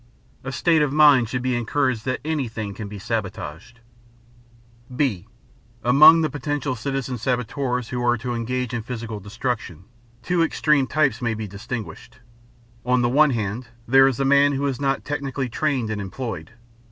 A state of mind should be encouraged that anything can be sabotaged. (b) Among the potential citizen saboteurs who are to engage in physical destruction, two extreme types may be distinguished. On the one hand, there is the man who is not technically trained and employed.